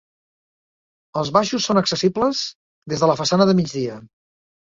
Els baixos són accessibles des de la façana de migdia.